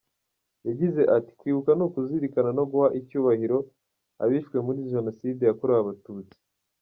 Yagize ati “ Kwibuka ni ukuzirikana no guha icyubahiro abishwe muri Jenoside yakorewe Abatutsi.